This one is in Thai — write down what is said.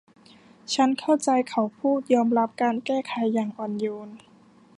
ฉันเข้าใจเขาพูดยอมรับการแก้ไขอย่างอ่อนโยน